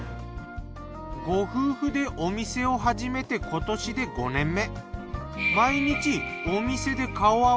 ご夫婦でお店を始めて今年で５年目。